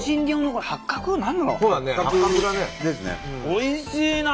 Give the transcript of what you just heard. おいしいな！